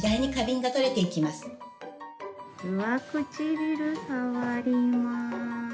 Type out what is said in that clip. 上唇触ります。